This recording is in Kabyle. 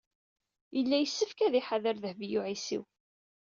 Yella yessefk ad iḥader Dehbiya u Ɛisiw.